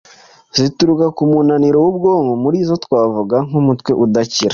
zituruka ku munaniro w’ubwonko. Muri zo twavuga nk’umutwe udakira,